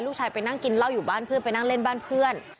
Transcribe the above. ไปนั่งกินเหล้าอยู่บ้านเพื่อนไปนั่งเล่นบ้านเพื่อน